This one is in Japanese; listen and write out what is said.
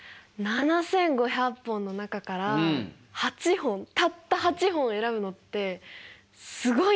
７，５００本の中から８本たった８本を選ぶのってすごいなと思って。